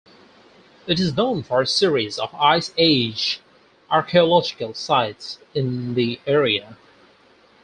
It is known for a series of ice age archaeological sites in the area.